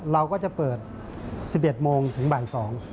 เราก็จะเปิด๑๑โมงถึงบ่าย๒